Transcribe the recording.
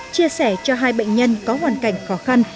chia sẻ cho hai bệnh nhân có hoàn cảnh khó khăn